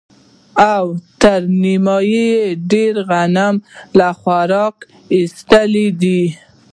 او تر نيمايي ډېر غنم يې له خوراکه ايستلي دي.